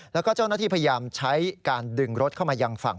แล้วก็เจ้าหน้าที่พยายามใช้การดึงรถเข้ามายังฝั่ง